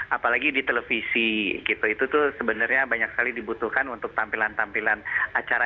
apalagi di televisi gitu itu tuh sebenarnya banyak sekali dibutuhkan untuk tampilan tampilan acara